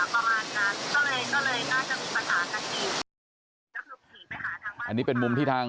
ใช่ค่ะถ่ายรูปส่งให้พี่ดูไหม